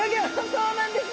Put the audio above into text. そうなんですね。